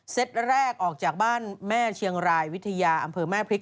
แรกออกจากบ้านแม่เชียงรายวิทยาอำเภอแม่พริก